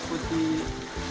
fusibility aman ya pak